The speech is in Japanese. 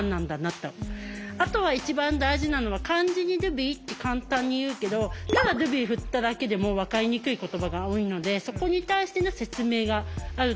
あとは一番大事なのは漢字にルビって簡単に言うけどただルビふっただけでもわかりにくい言葉が多いのでそこに対しての説明があるといいのかなって。